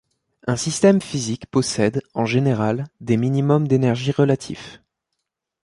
Un système physique possède, en général, des minimums d'énergie relatifs.